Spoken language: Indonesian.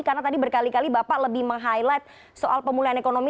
karena tadi berkali kali bapak lebih meng highlight soal pemulihan ekonomi